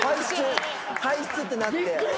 退室ってなって。